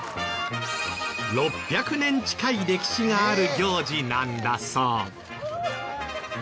６００年近い歴史がある行事なんだそう。